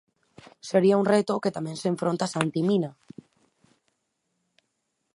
Sería un reto ao que tamén se enfronta Santi Mina.